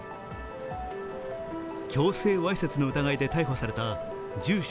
強制わいせつの疑いで逮捕された住所